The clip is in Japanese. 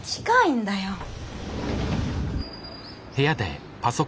近いんだよ。